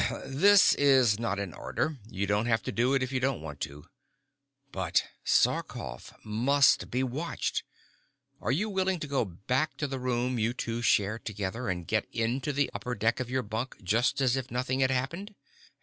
"This is not an order. You don't have to do it if you don't want to. But Sarkoff must be watched. Are you willing to go back to the room you two shared together and get into the upper deck of your bunk just as if nothing has happened?"